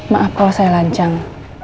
maaf kalau saya lancang